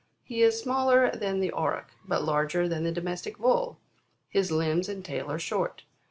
He is smaller than the Auroch, but larger than the domestic Bull. His limbs andtailare short.